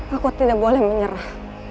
aku tidak boleh menyerah